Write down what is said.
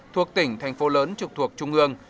thuộc tỉnh thành phố lớn trục thuộc trung ương